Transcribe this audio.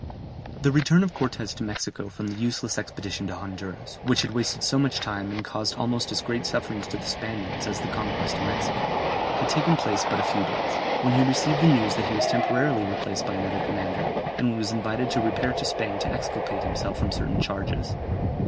The return of Cortès to Mexico from the useless expedition to Honduras which had wasted so much time and caused almost as great sufferings to the Spaniards as the conquest of Mexico had taken place but a few days, when he received the news that he was temporarily replaced by another commander, and was invited to repair to Spain to exculpate himself from certain charges.